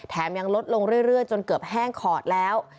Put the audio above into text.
ยังลดลงเรื่อยจนเกือบแห้งขอดแล้ว